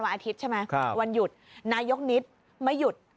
วันยุทธ์วันหยุดนายกนนิตรไม่หยุด